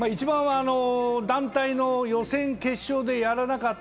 団体の予選決勝でやらなかった。